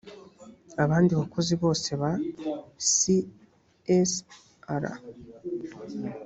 abandi bakozi bose ba csr